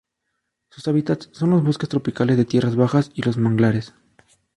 Sus hábitats son los bosques tropicales de tierras bajas y los manglares.